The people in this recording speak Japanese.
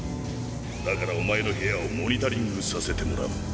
だからお前の部屋をモニタリングさせてもらう。